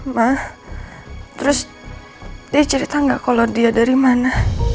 ma terus dia cerita gak kalau dia dari mana